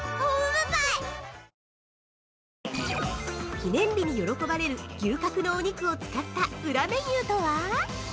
◆記念日に喜ばれる牛角のお肉を使った裏メニューとは？